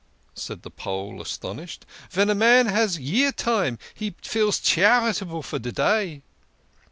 said the Pole, astonished. "Ven a man has Year Time, he feels charitable for de day."